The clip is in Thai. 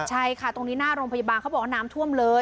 ใช่ค่ะตรงนี้หน้าโรงพยาบาลเขาบอกว่าน้ำท่วมเลย